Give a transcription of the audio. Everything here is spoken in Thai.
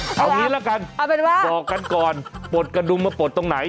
เอาอย่างนี้ละกันบอกกันก่อนปลดกระดุมมาปลดตรงไหน